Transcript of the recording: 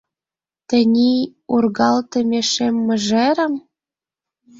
Тений ургалтыме шем мыжерем?